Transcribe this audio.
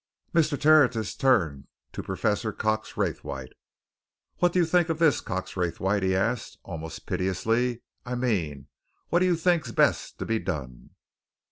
Mr. Tertius turned to Professor Cox Raythwaite. "What do you think of this, Cox Raythwaite?" he asked, almost piteously. "I mean what do you think's best to be done?"